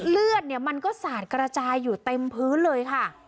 เลือดเนี่ยมันก็สาดกระจายอยู่เต็มพื้นเลยค่ะ